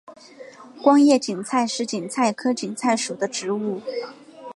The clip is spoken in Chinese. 光叶堇菜是堇菜科堇菜属的植物。